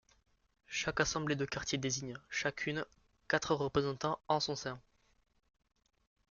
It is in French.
Chaque assemblée de quartier désigne, chacune, quatre représentants en son sein.